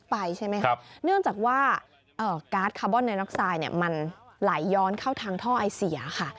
ไปใช่ไหมครับเนื่องจากว่าการ์ดคาร์บอนไน็อกไซด์เนี่ยมันไหลย้อนเข้าทางท่อไอเสียค่ะ